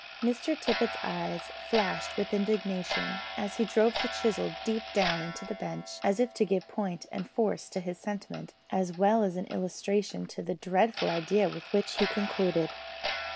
Mr Tippet's eyes flashed with indignation, and he drove the chisel deep down into the bench, as if to give point and force to his sentiment, as well as an illustration of the dreadful idea with which he concluded.